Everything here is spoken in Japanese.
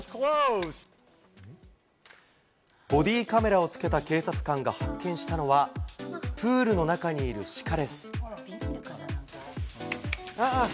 ボディーカメラを付けた警察官が発見したのは、プールの中にいるシカです。